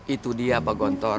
itu dia pak gonteng